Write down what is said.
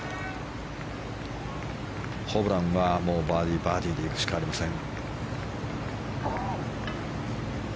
ホブランはもうバーディー、バーディーで行くしかありません。